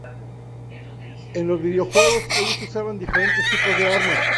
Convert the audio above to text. En los videojuegos ellos usaban diferentes tipos de armas.